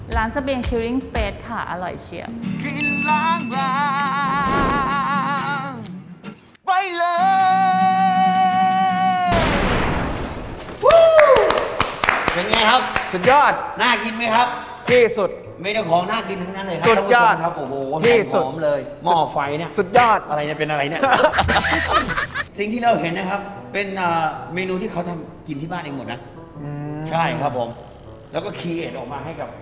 ร้านซะเบียงค่ะอร่อยเชียบ